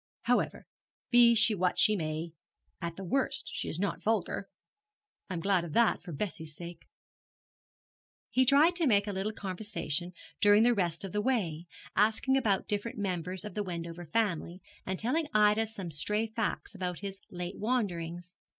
However, be she what she may, at the worst she is not vulgar. I am glad of that, for Bessie's sake.' He tried to make a little conversation during the rest of the way, asking about different members of the Wendover family, and telling Ida some stray facts about his late wanderings.